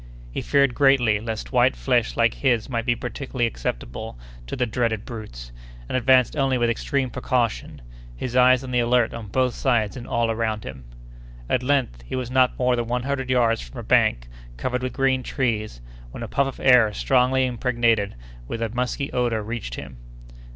He feared greatly lest white flesh like his might be particularly acceptable to the dreaded brutes, and advanced only with extreme precaution, his eyes on the alert on both sides and all around him. At length, he was not more than one hundred yards from a bank, covered with green trees, when a puff of air strongly impregnated with a musky odor reached him.